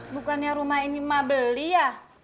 bukannya rumah ini mah beli ya